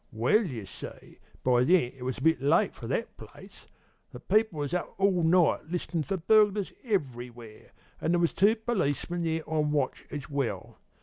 Well, you see, by then it was a bit late for that place. The people was up all night, listenin' for burglars everywhere, an' there was two policemen there on watch as well.